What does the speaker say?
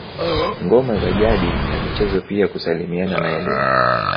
Ngoma za jadi na michezo pia kusalimiana na elimu